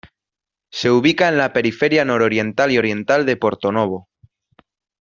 Se ubica en la periferia nororiental y oriental de Porto Novo.